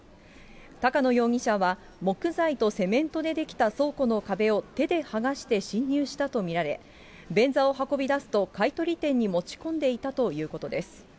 高野容疑者は、木材とセメントで出来た倉庫の壁を手で剥がして侵入したと見られ、便座を運び出すと買い取り店に持ち込んでいたということです。